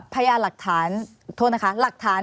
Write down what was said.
พญาหลักฐาน